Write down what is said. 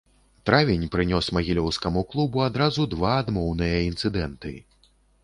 Травень прынёс магілёўскаму клубу адразу два адмоўныя інцыдэнты.